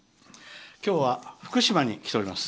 今日は福島に来ております。